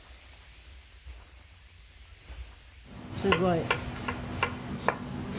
すごい。